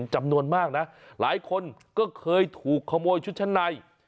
จำนวนมากนะหลายคนก็เคยถูกขโมยชุดชั้นใน